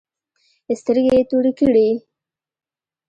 سترگې يې تورې کړې.